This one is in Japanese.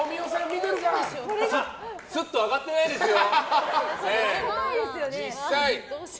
すっと上がってないですよ。